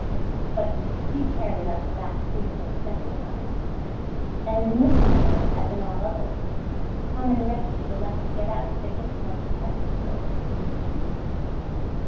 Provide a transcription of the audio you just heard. But, few cared enough for that to think of it a second time, and, in this matter, as in all others, the common wretches were left to get out of their difficulties as they could.